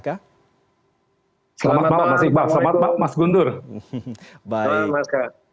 selamat malam mas iqbal selamat malam mas guntur